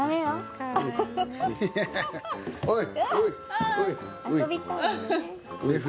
はい。